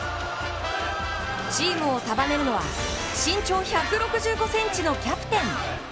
チームを束ねるのは身長１６５センチのキャプテン。